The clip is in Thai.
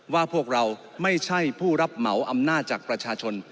ว่าพวกเราไม่ใช่ผู้รับเหมาอำนาจจากประชาชน